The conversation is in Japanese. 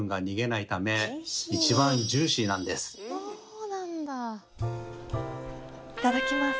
いただきます。